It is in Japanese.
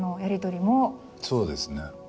そうですね